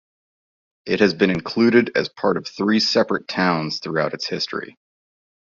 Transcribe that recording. It has been included as a part of three separate towns throughout its history.